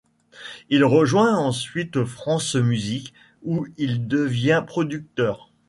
Il rejoint ensuite France Musique, où il devient producteur.